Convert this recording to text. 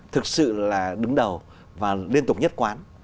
thực sự đứng đầu và liên tục nhất quán